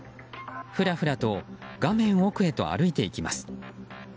ふらふらと画面奥へと歩いていきます。